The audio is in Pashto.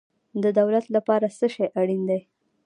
د دولت لپاره څه شی اړین دی؟